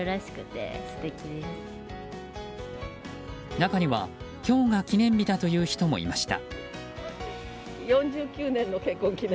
中には今日が記念日だという人もいました。